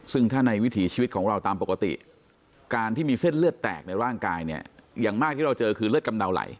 ซึ่งถ้าในวิถีชีวิตของเราตามปกติการที่มีเส้นเลือดแตกในร่างกายเนี่ยอย่างมากที่เราเจอคือเลือดกำเดาไหล